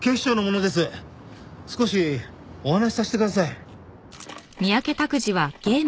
少しお話しさせてください。